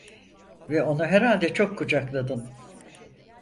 Ve onu herhalde çok kucakladın…